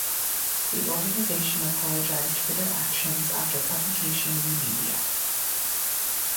The organization apologized for their actions after publication in the media.